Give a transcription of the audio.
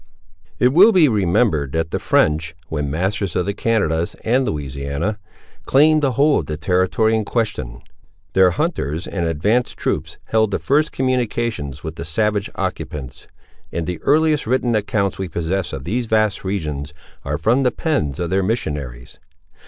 It will be remembered that the French, when masters of the Canadas and Louisiana, claimed the whole of the territory in question. Their hunters and advanced troops held the first communications with the savage occupants, and the earliest written accounts we possess of these vast regions, are from the pens of their missionaries.